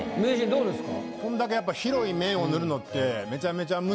どうですか？